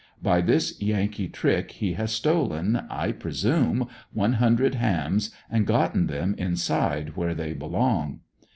By this Yankee trick he has stolen, I presume one hundred hams and gotten them inside where they belong.